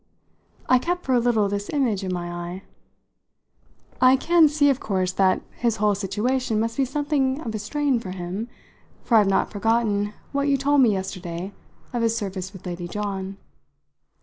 I kept for a little this image in my eye. "I can see of course that his whole situation must be something of a strain for him; for I've not forgotten what you told me yesterday of his service with Lady John.